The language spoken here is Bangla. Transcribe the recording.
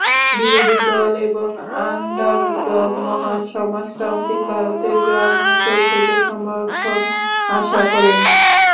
বিরোধী দল এবং আন্ডারডগ, মহান সমাজতান্ত্রিক, ভারতের গ্রামাঞ্চল থেকে সমর্থন আশা করেন।